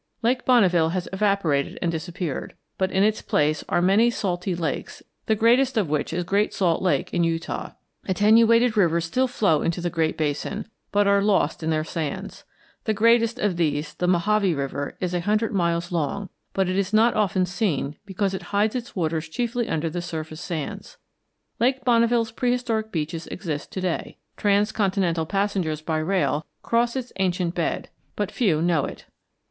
Lake Bonneville has evaporated and disappeared, but in its place are many salty lakes, the greatest of which is Great Salt Lake in Utah. Attenuated rivers still flow into the Great Basin, but are lost in their sands. The greatest of these, the Mohave River, is a hundred miles long, but is not often seen because it hides its waters chiefly under the surface sands. Lake Bonneville's prehistoric beaches exist to day. Transcontinental passengers by rail cross its ancient bed, but few know it.